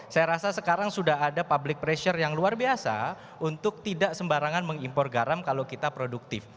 saya rasa sekarang sudah ada public pressure yang luar biasa untuk tidak sembarangan mengimpor garam kalau kita produktif